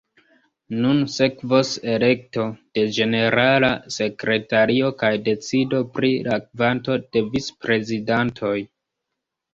Nun sekvos elekto de ĝenerala sekretario kaj decido pri la kvanto de vicprezidantoj.